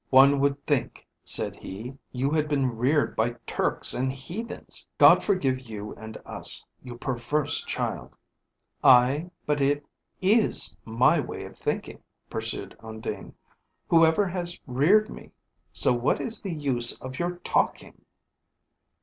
"One would think," said he, "you had been reared by Turks and heathens; God forgive you and us, you perverse child." "Ay but it is my way of thinking," pursued Undine, "whoever has reared me, so what is the use of your talking?"